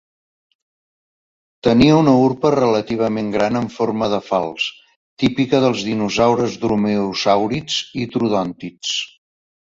Tenia una urpa relativament gran amb forma de falç, típica dels dinosaures dromeosàurids i troodòntids.